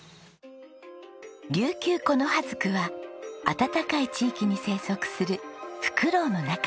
リュウキュウコノハズクは暖かい地域に生息するフクロウの仲間です。